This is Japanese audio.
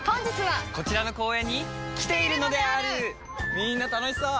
みんな楽しそう！